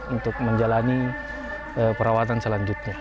untuk menjalani perawatan selanjutnya